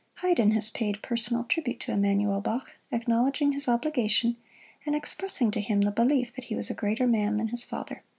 Haydn has paid personal tribute to Emmanuel Bach, acknowledging his obligation, and expressing to him the belief that he was a greater man than his father.